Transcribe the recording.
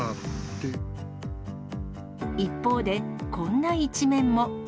一方で、こんな一面も。